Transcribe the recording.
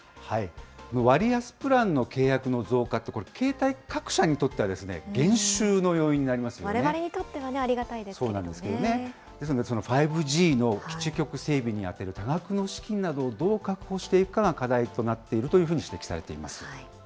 割安プランの契約の増加って、これ、携帯各社にとっては減収のわれわれにとってはね、ありですので、５Ｇの基地局整備に充てる多額の資金などをどう確保していくかが課題となっているというふうに指摘されています。